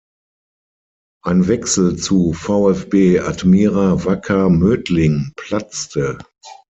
Ein Wechsel zu VfB Admira Wacker Mödling platzte.